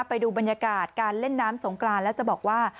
ไปดูบรรยากาศการเล่นน้ำสงกรานแล้วจะบอกว่า